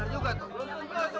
belum tentu cuma cek